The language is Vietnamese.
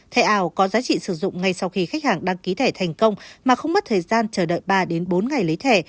thẻ ảo có giá trị sử dụng ngay sau khi khách hàng đăng ký thẻ thành công mà không mất thời gian chờ đợi ba bốn ngày lấy thẻ